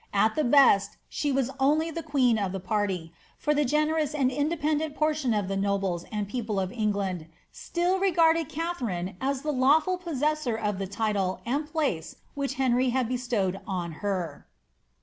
At the best, she was oidy the queen of a party, for the generous and independent portion of the nobles and people of England still r^rded Katharine as the lawful possessor of the title and place which Henry had bestowed on her.